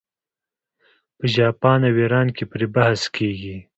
په جاپان او ایران کې پرې بحث کیږي.